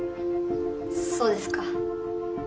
そうですか。